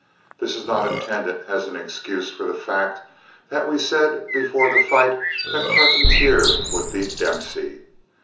This is not intended as an excuse for the fact that we said before the fight that Carpentier would beat Dempsey.